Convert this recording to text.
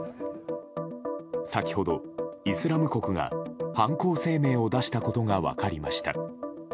先ほど、イスラム国が犯行声明を出したことが分かりました。